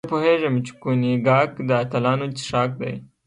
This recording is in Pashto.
زه پوهېږم چې کونیګاک د اتلانو څښاک دی.